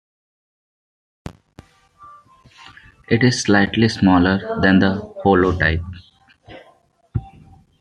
It is slightly smaller than the holotype.